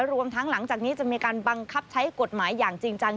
รวมทั้งหลังจากนี้จะมีการบังคับใช้กฎหมายอย่างจริงจัง